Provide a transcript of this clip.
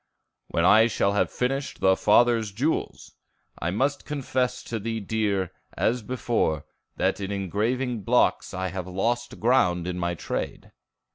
"When I shall have finished the Father's jewels. I must confess to thee, dear, as before, that in engraving blocks I have lost ground in my trade."